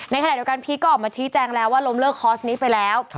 ขณะเดียวกันพีชก็ออกมาชี้แจงแล้วว่าล้มเลิกคอร์สนี้ไปแล้ว